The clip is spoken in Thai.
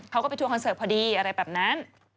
เขาก็ไปทัวคอนเสิร์ตพอดีอะไรแบบนั้น